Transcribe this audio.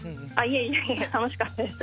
いえいえ楽しかった。